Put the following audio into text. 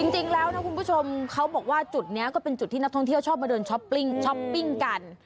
จริงแล้วนะคุณผู้ชมเขาบอกว่าจุดนี้ก็เป็นจุดที่นักท่องเที่ยวชอบมาเดินช้อปปิ้งช้อปปิ้งกัน